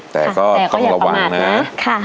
แต่ก็อย่ากระวังนะ